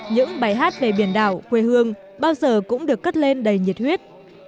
những bài hát về biển đảo quê hương bao giờ cũng được cất lên đầy nhiệt huyết